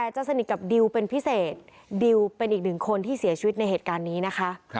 จะสนิทกับดิวเป็นพิเศษดิวเป็นอีกหนึ่งคนที่เสียชีวิตในเหตุการณ์นี้นะคะ